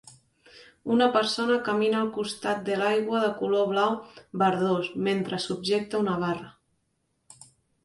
Una persona camina al costat de l'aigua de color blau verdós mentre subjecta una barra.